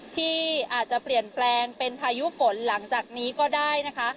ที่อาจจะเปลี่ยนแปลงเป็นพายุฝนหลังจากนี้ก็ได้นะคะ